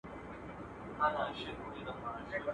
چي په خره دي کار نه وي، اشه مه ورته وايه.